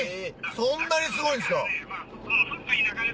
そんなにすごいんですか！